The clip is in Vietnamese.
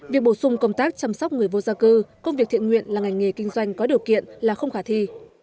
việc bổ sung công tác chăm sóc người vô gia cư công việc thiện nguyện là ngành nghề kinh doanh có điều kiện là không khả thi